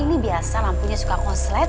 ini biasa lampunya suka koslet